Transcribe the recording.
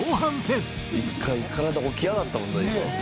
一回体起き上がったもんな今。